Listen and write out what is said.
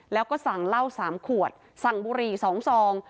แล้วก็สั่งเหล้า๓ขวดสั่งบุหรี่๒ซอง